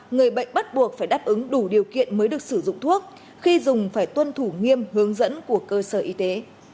người bệnh bắt buộc phải đáp ứng đủ điều kiện mới được sử dụng thuốc khi dùng phải tuân thủ nghiêm hướng dẫn của cơ sở y tế